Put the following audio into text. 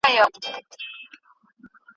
پسرلی سو ژمی ولاړی مخ یې تور سو